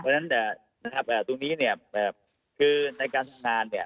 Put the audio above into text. เพราะฉะนั้นเนี่ยนะครับตรงนี้เนี่ยคือในการทำงานเนี่ย